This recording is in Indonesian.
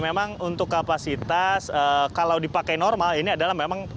memang untuk kapasitas kalau dipakai normal ini adalah memang